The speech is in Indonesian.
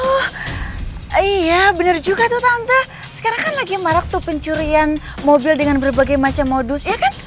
oh iya bener juga tuh tante sekarang kan lagi marak tuh pencurian mobil dengan berbagai macam modus ya kan